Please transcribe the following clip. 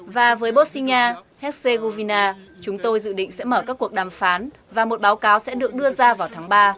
và với bosnia herzegovina chúng tôi dự định sẽ mở các cuộc đàm phán và một báo cáo sẽ được đưa ra vào tháng ba